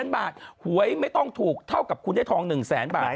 ๑๐๐๐๐๐บาทหวยไม่ต้องถูกเท่ากับคุณแจกทอง๑๐๐๐๐๐บาท